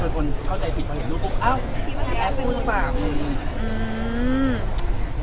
ส่วนคนเข้าใจผิดเพราะเห็นรูปปมง